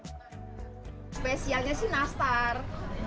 spesialnya sih nastar